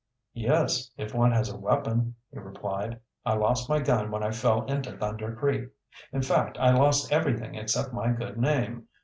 "Yes, if one has a weapon," he replied. "I lost my gun when I fell into Thunder Creek; in fact, I lost everything except my good name.